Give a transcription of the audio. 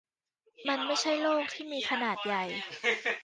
มันไม่ใช่โลกที่มีขนาดใหญ่